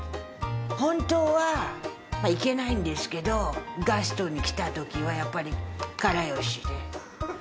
本当はいけないんですけどガストに来た時はやっぱりから好しです。